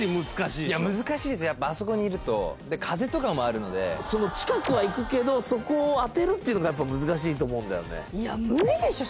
いや難しいですやっぱあそこにいるとその近くはいくけどそこを当てるっていうのがやっぱ難しいと思うんだよねいや無理でしょ